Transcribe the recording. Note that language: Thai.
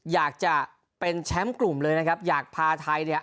อยากจะเป็นแชมป์กลุ่มเลยนะครับอยากพาไทยเนี่ย